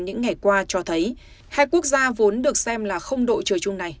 những ngày qua cho thấy hai quốc gia vốn được xem là không đội trời chung này